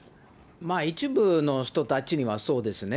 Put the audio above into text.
一部の人たちにはそうですね。